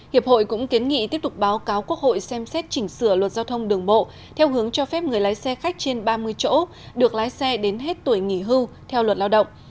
hiệp hội cũng kiến nghị tiếp tục báo cáo quốc hội xem xét chỉnh sửa luật giao thông đường bộ theo hướng cho phép người lái xe khách trên ba mươi chỗ được lái xe đến hết tuổi nghỉ hưu theo luật lao động